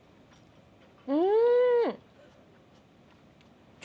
うん！